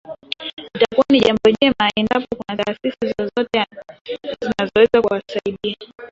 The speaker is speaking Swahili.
Itakuwa ni jambo jema endapo kuna taasisi zozote zinazoweza kuwasaidia